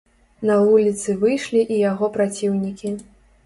На вуліцы выйшлі і яго праціўнікі.